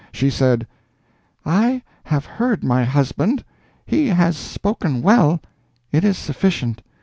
She said: "I have heard my husband; he has spoken well; it is sufficient.